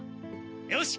よし！